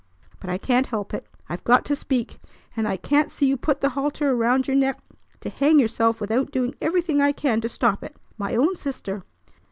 But I can't help it. I've got to speak. I can't see you put the halter around your neck to hang yourself without doing everything I can to stop it. My own sister!"